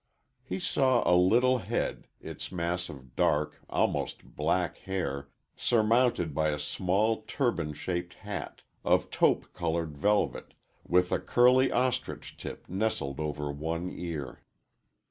He saw a little head, its mass of dark, almost black hair surmounted by a small turban shaped hat, of taupe colored velvet, with a curly ostrich tip nestling over one ear.